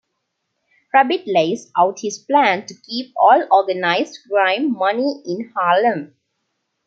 Rabbit lays out his plan to keep all organized crime money in Harlem.